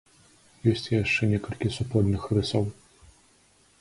Ёсць і яшчэ некалькі супольных рысаў.